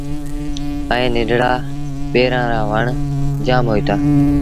ائيٚݩ ننڍڙآ ٻيرآن رآ وڻ جآم هوئيٚتآ۔